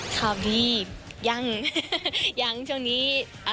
ค่ะพี่ยังยังช่วงนี้